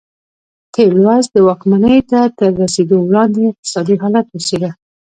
تېر لوست د واکمنۍ ته تر رسېدو وړاندې اقتصادي حالت وڅېړه.